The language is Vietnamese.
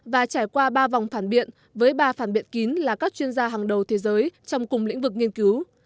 và trải qua ba vòng phản biện với ba phản biện kín là các chuyên gia hàng đầu thế giới trong cùng lĩnh vực nghiên cứu